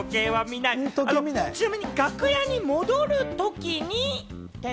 ちなみに楽屋に戻るときに。